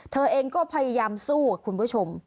เธอเองก็พยายามสู้คุณผู้ชม